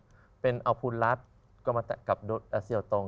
ใช่เป็นเอาภูรรัฐก็มาแต่งกับเดินเซียวตง